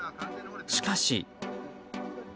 しかし。